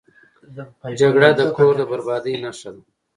جګړه د کور د بربادۍ نښه ده